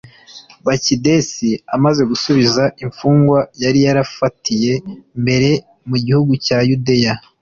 bakidesi amaze gusubiza imfungwa yari yarafatiye mbere mu gihugu cya yudeya